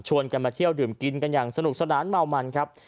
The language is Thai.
กันมาเที่ยวดื่มกินกันอย่างสนุกสนานเมามันครับ